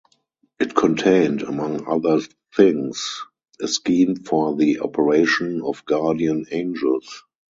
It contained, among other things, a scheme for the operation of guardian angels.